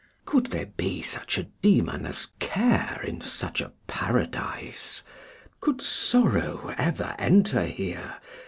Could there be such a demon as care in such a paradise? Could sorrow ever enter here?